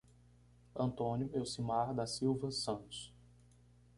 Antônio Elcimar da Silva Santos